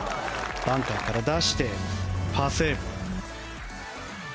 バンカーから出してパーセーブ。